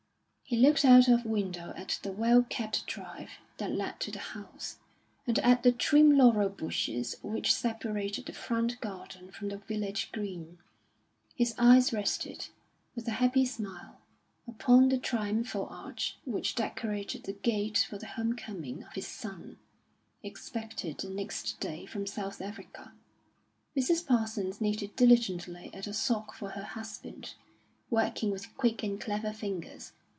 He looked out of window at the well kept drive that led to the house, and at the trim laurel bushes which separated the front garden from the village green. His eyes rested, with a happy smile, upon the triumphal arch which decorated the gate for the home coming of his son, expected the next day from South Africa. Mrs. Parsons knitted diligently at a sock for her husband, working with quick and clever fingers.